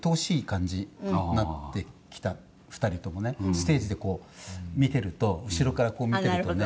ステージで見てると後ろから見てるとね。